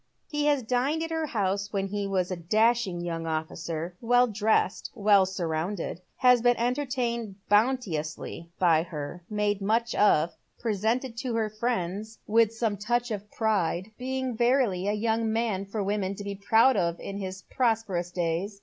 He has dined at her house when he was a dashing young officer, well dressed, well surrounded ; has been entertained bounteously by her, made much of, presented to her friends with • World, thy Slippery Tunis /" M iome touch of pride, being verily a younj? man for women to be proud of in his prosperous days.